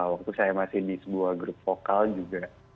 waktu saya masih di sebuah grup vokal juga